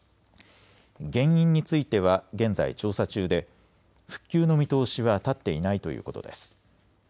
原因については現在、調査中で復旧の見通しは立っていないということです。